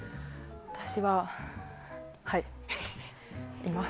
私ははい、います。